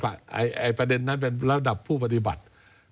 ประเด็นนั้นเป็นระดับผู้ปฏิบัติ